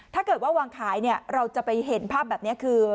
ถ้าเกิดว่าวางขายเนี่ยเราจะไปเห็นภาพแบบนี้คือ